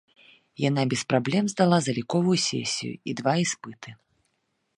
Яна без праблем здала заліковую сесію і два іспыты.